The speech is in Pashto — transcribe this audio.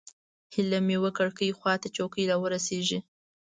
هیله مې وه کړکۍ خوا ته چوکۍ راورسېږي.